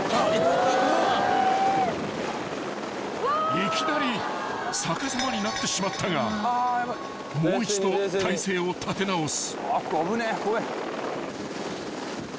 ［いきなり逆さまになってしまったがもう一度体勢を立て直す］